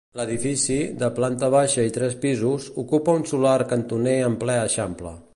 L'edifici, de planta baixa i tres pisos, ocupa un solar cantoner en ple eixample.